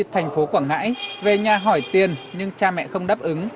thành phố quảng ngãi về nhà hỏi tiền nhưng cha mẹ không đáp ứng